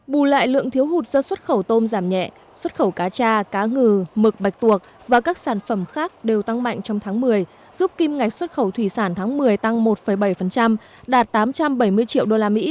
bù lại lượng thiếu hụt do xuất khẩu tôm giảm nhẹ xuất khẩu cá cha cá ngừ mực bạch tuộc và các sản phẩm khác đều tăng mạnh trong tháng một mươi giúp kim ngạch xuất khẩu thủy sản tháng một mươi tăng một bảy đạt tám trăm bảy mươi triệu usd